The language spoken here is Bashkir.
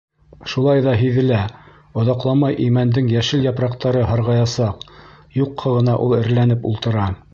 Шулай ҙа Һиҙелә: оҙаҡламай имәндең йәшел япраҡтары Һарғаясаҡ, юҡҡа ғына ул эреләнеп ултыра.